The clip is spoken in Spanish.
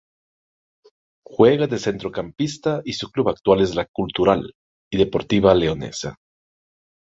Juega de centrocampista y su club actual es la Cultural y Deportiva Leonesa.